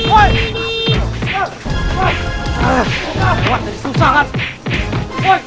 woy udah stop